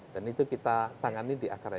itu kita tangani di akarnya